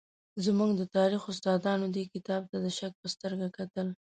زموږ د تاریخ استادانو دې کتاب ته د شک په سترګه کتل.